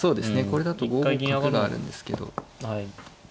これだと５五角があるんですけど。